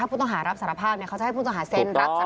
ถ้าพูดต้องหารับสารภาพเนี่ยเขาจะให้พูดต้องหาเซ็นรับสารภาพ